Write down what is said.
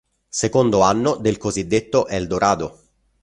Secondo anno del cosiddetto "El Dorado".